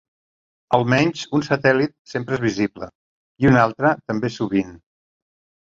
Almenys un satèl·lit sempre és visible, i un altre, també sovint.